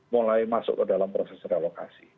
mulai masuk ke dalam proses relokasi